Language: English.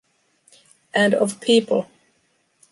And of people